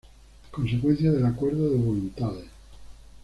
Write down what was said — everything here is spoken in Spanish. Consecuencia del acuerdo de voluntades.